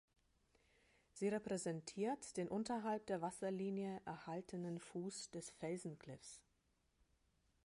Sie repräsentiert den unterhalb der Wasserlinie erhaltenen Fuß des Felsenkliffs.